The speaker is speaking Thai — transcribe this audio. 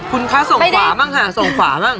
คุณคะส่งขวาบ้างค่ะส่งขวาบ้าง